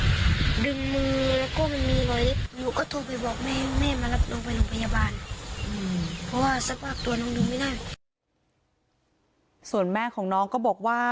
เพราะว่าสักหากตัวน้องดึงไม่ได้ส่วนแม่ของน้องก็บอกว่า